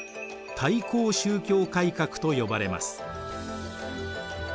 対抗宗教改革と呼ばれます。